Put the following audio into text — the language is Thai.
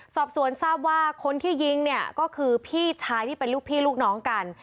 สอบสวนทราบว่าคนที่ยิงเนี่ยก็คือพี่ชายที่เป็นลูกพี่ลูกน้องกัน